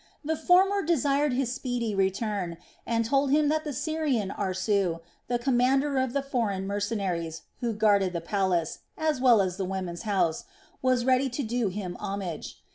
The former desired his speedy return and told him that the Syrian Aarsu, the commander of the foreign mercenaries, who guarded the palace, as well as the women's house, was ready to do him homage.